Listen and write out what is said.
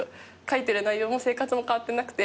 書いてる内容も生活も変わってなくて。